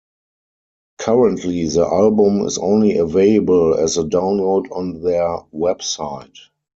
Currently the album is only available as a download on their website.